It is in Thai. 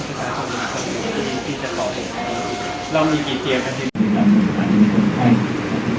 ไข้ให้ตอบดีใจกันสินทรีย์มาก